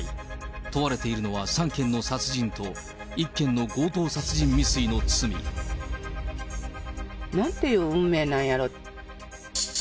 問われているのは３件の殺人と１件の強盗殺人未遂の罪。なんていう運命なんやろ。